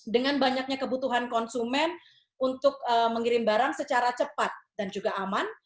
dengan banyaknya kebutuhan konsumen untuk mengirim barang secara cepat dan juga aman